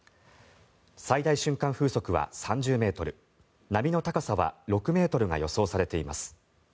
最大瞬間風速は３０ｍ波の高さは６ｍが予想されています。